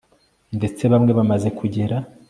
ndetse bamwe bamaze kugera